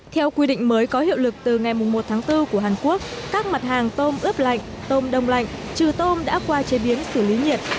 theo quy định mới có hiệu lực từ ngày một tháng bốn của hàn quốc các mặt hàng tôm ướp lạnh tôm đông lạnh trừ tôm đã qua chế biến xử lý nhiệt